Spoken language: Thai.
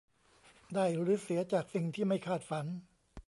ได้หรือเสียจากสิ่งที่ไม่คาดฝัน